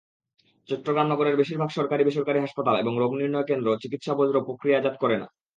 চট্টগ্রাম নগরের বেশির ভাগ সরকারি-বেসরকারি হাসপাতাল এবং রোগনির্ণয় কেন্দ্র চিকিৎসাবর্জ্য প্রক্রিয়াজাত করে না।